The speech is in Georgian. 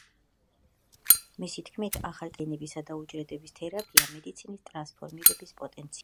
მისი თქმით, „ახალ ტექნოლოგიებს, როგორიცაა გენებისა და უჯრედების თერაპია, მედიცინის ტრანსფორმირების პოტენციალი აქვს“.